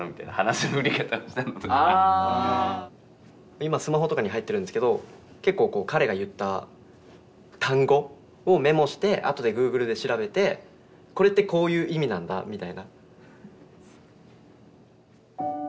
今スマホとかに入ってるんですけど結構彼が言った単語をメモして後でグーグルで調べてこれってこういう意味なんだみたいな。